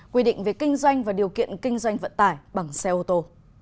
quy định về kinh doanh và điều kiện kinh doanh vận tải bằng xe ô tô